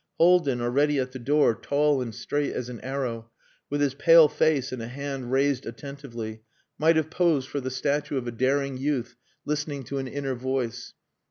Haldin, already at the door, tall and straight as an arrow, with his pale face and a hand raised attentively, might have posed for the statue of a daring youth listening to an inner voice.